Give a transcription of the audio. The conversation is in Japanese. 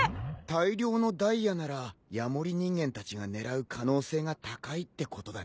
大量のダイヤならヤモリ人間たちが狙う可能性が高いってことだね。